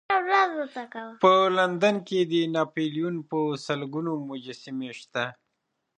په لندن کې د ناپلیون په سلګونو مجسمې شته.